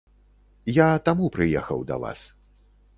Я таму прыехаў да вас.